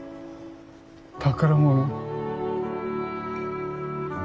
宝物。